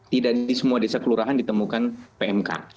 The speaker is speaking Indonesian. tidak di semua desa kelurahan ditemukan pmk